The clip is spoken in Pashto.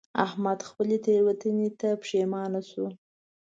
احمد خپلې تېروتنې ته پښېمانه شو.